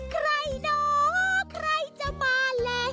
ใครเนาะใครจะมาแล้ว